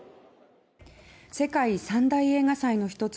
世界三大映画祭の一つ